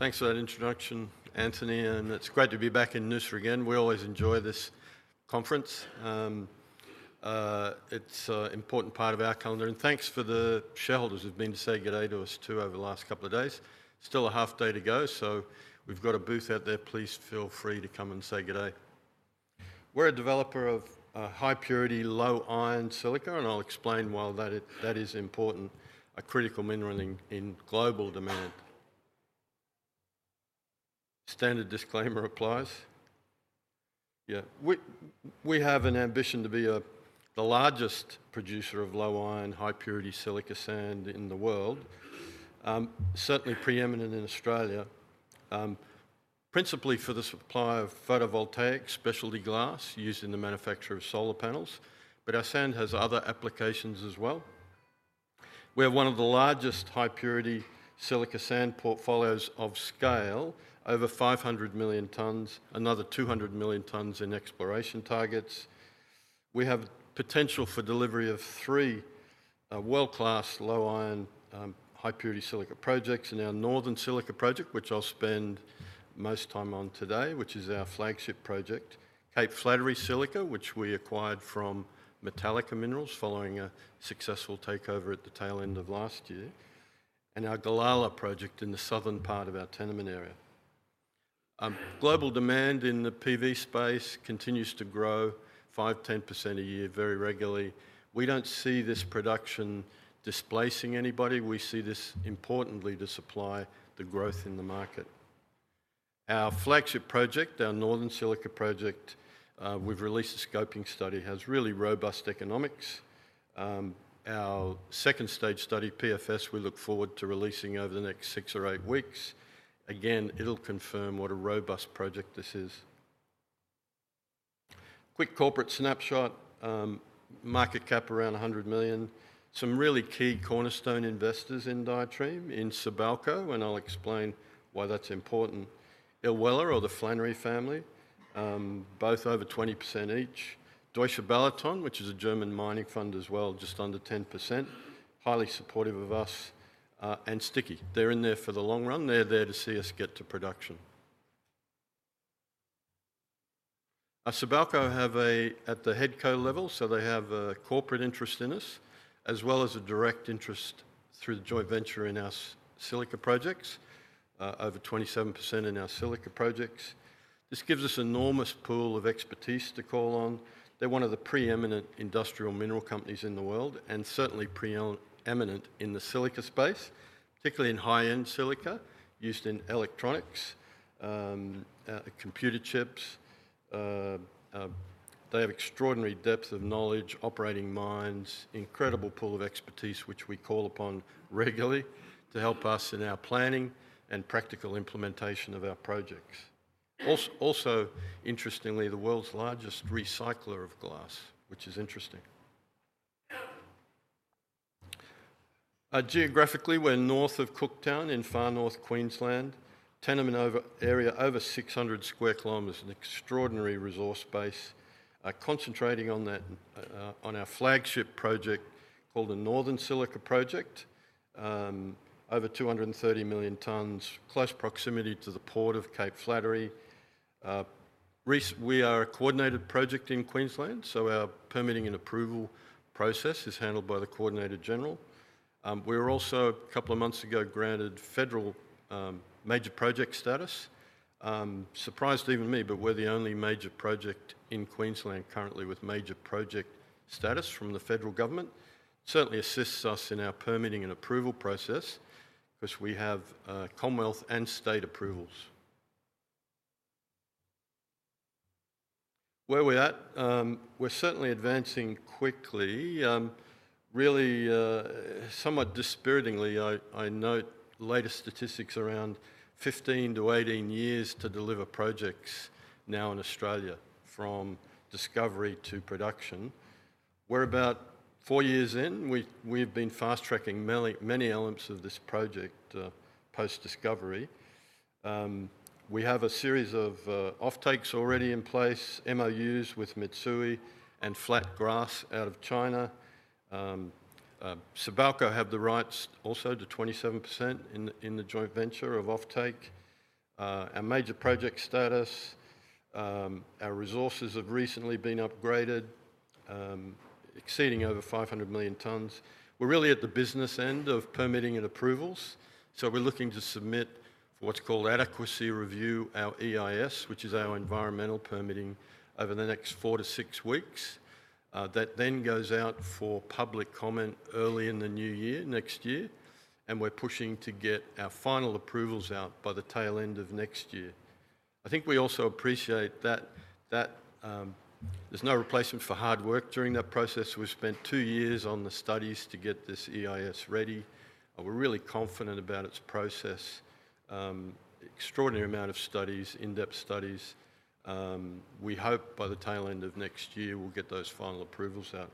Thanks for that introduction, Anthony, and it's great to be back in Noosa again. We always enjoy this conference. It's an important part of our calendar, and thanks for the shareholders who've been to say good day to us too over the last couple of days. Still a half day to go, so we've got a booth out there. Please feel free to come and say good day. We're a developer of high purity, low iron silica, and I'll explain why that is important, a critical mineral in global demand. Standard Disclaimer applies. Yeah, we have an ambition to be the largest producer of low iron, high purity silica sand in the world, certainly preeminent in Australia, principally for the supply of photovoltaic specialty glass used in the manufacture of solar panels, but our sand has other applications as well. We have one of the largest high purity silica sand portfolios of scale, over 500 million tons, another 200 million tons in exploration targets. We have potential for delivery of three world-class low iron, high purity silica projects: our Northern Silica Project, which I'll spend most time on today, which is our flagship project; Cape Flattery Silica, which we acquired from Metallica Minerals following a successful takeover at the tail end of last year; and our Galalar project in the southern part of our tenement area. Global demand in the PV space continues to grow 5-10% a year, very regularly. We don't see this production displacing anybody. We see this importantly to supply the growth in the market. Our flagship project, our Northern Silica Project, we've released a scoping study, has really robust economics. Our second stage study, PFS, we look forward to releasing over the next six or eight weeks. Again, it'll confirm what a robust project this is. Quick corporate snapshot: market cap around $100 million. Some really key cornerstone investors in Diatreme in Sibelco, and I'll explain why that's important: Ilwella, or the Flannery family, both over 20% each; Deutsche Balaton, which is a German mining fund as well, just under 10%, highly supportive of us, and Sticky. They're in there for the long run. They're there to see us get to production. Sibelco have a, at the HeadCo level, so they have a corporate interest in us, as well as a direct interest through the joint venture in our silica projects, over 27% in our silica projects. This gives us an enormous pool of expertise to call on. They're one of the preeminent industrial mineral companies in the world and certainly preeminent in the silica space, particularly in high-end silica used in electronics, computer chips. They have extraordinary depth of knowledge, operating mines, incredible pool of expertise, which we call upon regularly to help us in our planning and practical implementation of our projects. Also, interestingly, the world's largest recycler of glass, which is interesting. Geographically, we're north of Cooktown in Far North Queensland, tenement area over 600 sq km, an extraordinary resource base. Concentrating on that, on our flagship project called the Northern Silica Project, over 230 million tons, close proximity to the port of Cape Flattery. We are a coordinated project in Queensland, so our permitting and approval process is handled by the Coordinator-General. We were also, a couple of months ago, granted federal major project status. Surprised even me, but we're the only major project in Queensland currently with major project status from the federal government. Certainly assists us in our permitting and approval process because we have Commonwealth and state approvals. Where we're at, we're certainly advancing quickly. Really, somewhat dispiritingly, I note latest statistics around 15–18 years to deliver projects now in Australia, from discovery to production. We're about four years in. We've been fast tracking many elements of this project post-discovery. We have a series of offtakes already in place, MOUs with Mitsui and Flat Glass out of China. Sibelco have the rights also to 27% in the joint venture of offtake. Our major project status, our resources have recently been upgraded, exceeding over 500 million tons. We're really at the business end of permitting and approvals, so we're looking to submit what's called adequacy review, our EIS, which is our environmental permitting, over the next four to six weeks. That then goes out for public comment early in the new year next year, and we're pushing to get our final approvals out by the tail end of next year. I think we also appreciate that there's no replacement for hard work during that process. We've spent two years on the studies to get this EIS ready. We're really confident about its process. Extraordinary amount of studies, in-depth studies. We hope by the tail end of next year we'll get those final approvals out.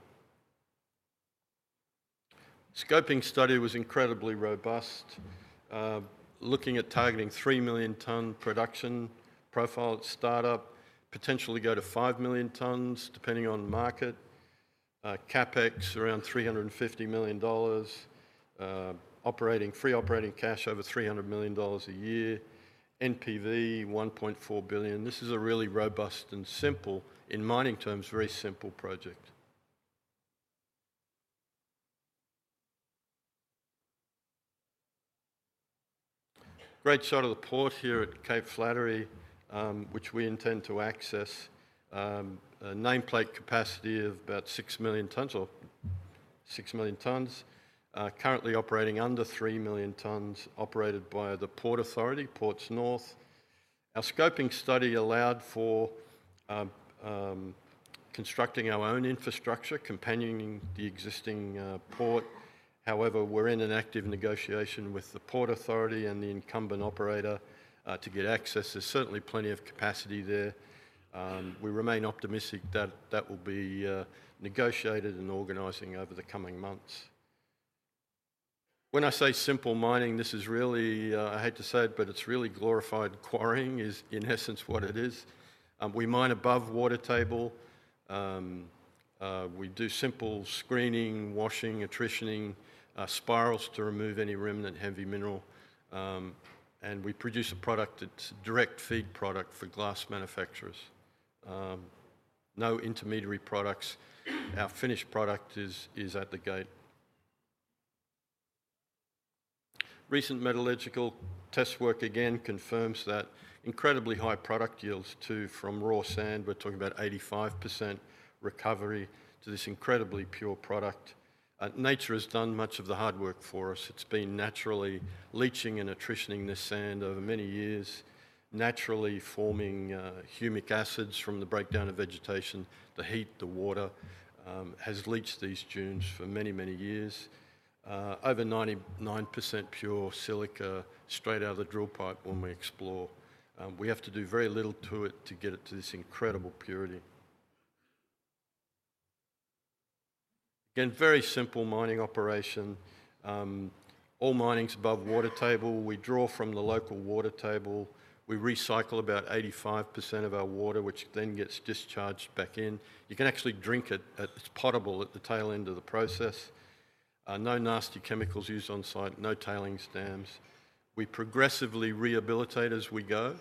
Scoping study was incredibly robust, looking at targeting 3 million ton production profile at startup, potentially go to 5 million tons depending on market, CapEx around $350 million, free operating cash over $300 million a year, NPV $1.4 billion. This is a really robust and simple, in mining terms, very simple project. Great side of the port here at Cape Flattery, which we intend to access, nameplate capacity of about 6 million tons or 6 million tons, currently operating under 3 million tons, operated by the Port Authority, Ports North. Our scoping study allowed for constructing our own infrastructure, companioning the existing port. However, we're in an active negotiation with the Port Authority and the incumbent operator to get access. There's certainly plenty of capacity there. We remain optimistic that that will be negotiated and organizing over the coming months. When I say simple mining, this is really, I hate to say it, but it's really glorified quarrying is in essence what it is. We mine above water table. We do simple screening, washing, attritioning, spirals to remove any remnant heavy mineral, and we produce a product that's a direct feed product for glass manufacturers. No intermediary products. Our finished product is at the gate. Recent metallurgical test work again confirms that incredibly high product yields too from raw sand. We're talking about 85% recovery to this incredibly pure product. Nature has done much of the hard work for us. It's been naturally leaching and attritioning this sand over many years, naturally forming humic acids from the breakdown of vegetation. The heat, the water has leached these dunes for many, many years. Over 99% pure silica straight out of the drill pipe when we explore. We have to do very little to it to get it to this incredible purity. Again, very simple mining operation. All mining is above water table. We draw from the local water table. We recycle about 85% of our water, which then gets discharged back in. You can actually drink it. It's potable at the tail end of the process. No nasty chemicals used on site. No tailings dams. We progressively rehabilitate as we go,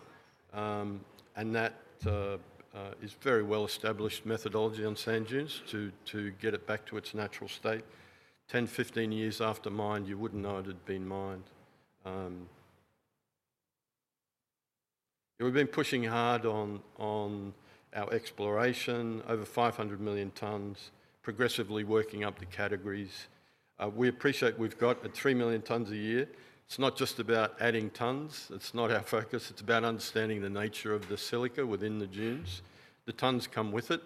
and that is very well-established methodology on sand dunes to get it back to its natural state. Ten, fifteen years after mine, you wouldn't know it had been mined. We've been pushing hard on our exploration, over 500 million tons, progressively working up the categories. We appreciate we've got at 3 million tons a year. It's not just about adding tons. It's not our focus. It's about understanding the nature of the silica within the dunes. The tons come with it.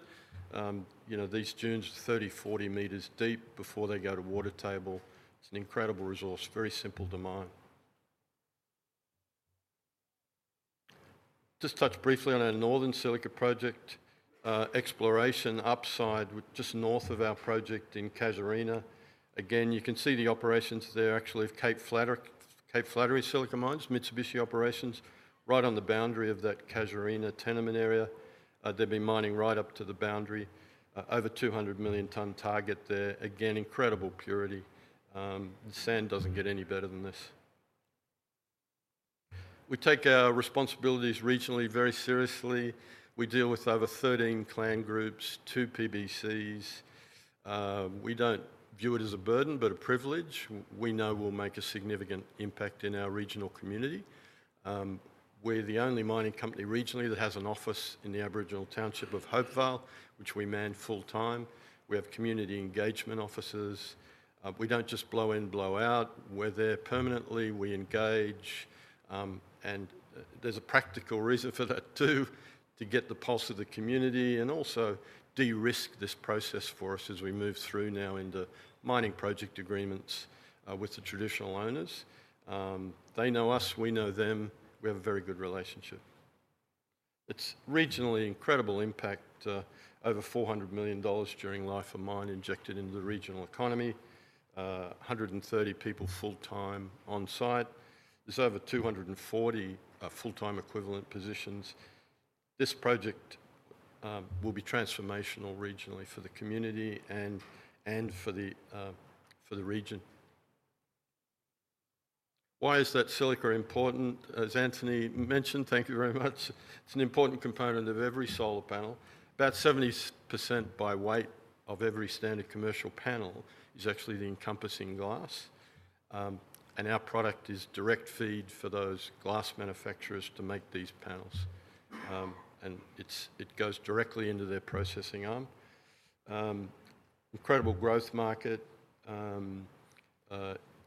These dunes are 30-40 meters deep before they go to water table. It's an incredible resource, very simple to mine. Just touch briefly on our Northern Silica Project exploration upside just north of our project in Kazarina. Again, you can see the operations there actually of Cape Flattery Silica Mines, Mitsubishi operations, right on the boundary of that Kazarina tenement area. They've been mining right up to the boundary, over 200 million ton target there. Again, incredible purity. The sand doesn't get any better than this. We take our responsibilities regionally very seriously. We deal with over 13 clan groups, two PBCs. We don't view it as a burden, but a privilege. We know we'll make a significant impact in our regional community. We're the only mining company regionally that has an office in the Aboriginal township of Hopevale, which we man full time. We have community engagement officers. We do not just blow in, blow out. We are there permanently. We engage. There is a practical reason for that too, to get the pulse of the community and also de-risk this process for us as we move through now into mining project agreements with the traditional owners. They know us. We know them. We have a very good relationship. It is regionally incredible impact, over $400 million during life of mine injected into the regional economy, 130 people full time on site. There are over 240 full time equivalent positions. This project will be transformational regionally for the community and for the region. Why is that silica important? As Anthony mentioned, thank you very much. It is an important component of every solar panel. About 70% by weight of every standard commercial panel is actually the encompassing glass. Our product is direct feed for those glass manufacturers to make these panels. It goes directly into their processing arm. Incredible growth market.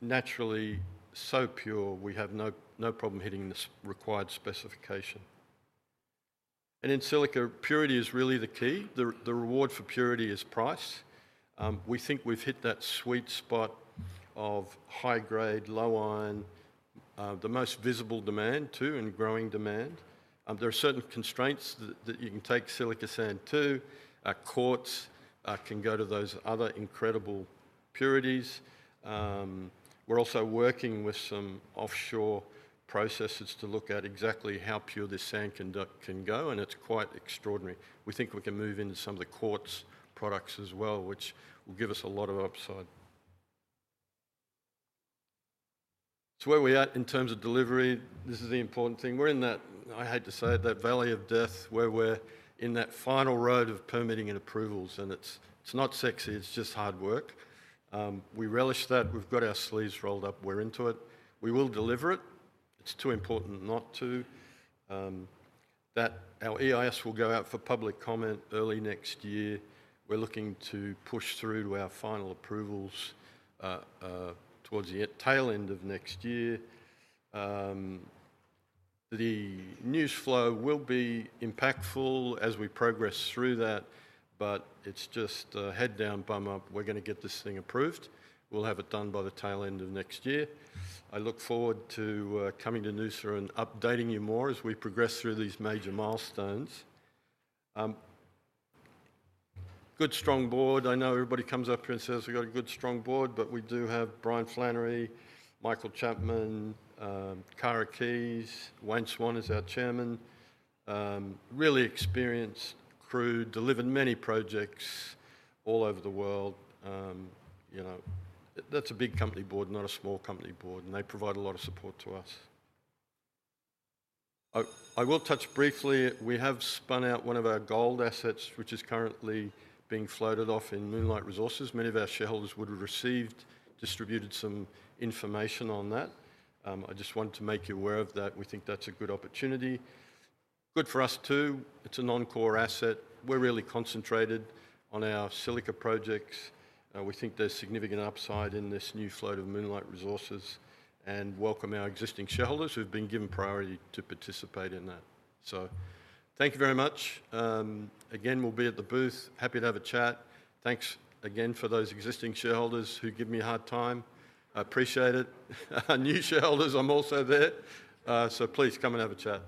Naturally so pure, we have no problem hitting the required specification. In silica, purity is really the key. The reward for purity is price. We think we've hit that sweet spot of high grade, low iron, the most visible demand too and growing demand. There are certain constraints that you can take silica sand to. Our quartz can go to those other incredible purities. We're also working with some offshore processes to look at exactly how pure this sand can go. It is quite extraordinary. We think we can move into some of the quartz products as well, which will give us a lot of upside. Where we're at in terms of delivery, this is the important thing. We're in that, I hate to say it, that valley of death where we're in that final road of permitting and approvals. It's not sexy. It's just hard work. We relish that. We've got our sleeves rolled up. We're into it. We will deliver it. It's too important not to. Our EIS will go out for public comment early next year. We're looking to push through to our final approvals towards the tail end of next year. The news flow will be impactful as we progress through that, but it's just a head down, bum up. We're going to get this thing approved. We'll have it done by the tail end of next year. I look forward to coming to Noosa and updating you more as we progress through these major milestones. Good, strong board. I know everybody comes up here and says, "We've got a good, strong board," but we do have Brian Flannery, Michael Chapman, Kara Keys. Wayne Swan is our Chairman. Really experienced crew, delivered many projects all over the world. That's a big company board, not a small company board. They provide a lot of support to us. I will touch briefly. We have spun out one of our gold assets, which is currently being floated off in Moonlight Resources. Many of our shareholders would have received distributed some information on that. I just wanted to make you aware of that. We think that's a good opportunity. Good for us too. It's a non-core asset. We're really concentrated on our silica projects. We think there's significant upside in this new float of Moonlight Resources and welcome our existing shareholders who've been given priority to participate in that. Thank you very much. Again, we'll be at the booth. Happy to have a chat. Thanks again for those existing shareholders who give me a hard time. I appreciate it. New shareholders, I'm also there. Please come and have a chat.